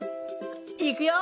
いくよ！